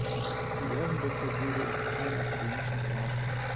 Die Ehrendoktorwürde ist kein akademischer Grad.